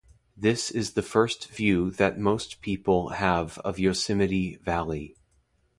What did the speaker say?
This is the first view that most people have of Yosemite Valley.